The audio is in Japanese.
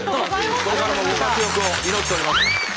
これからもご活躍を祈っております。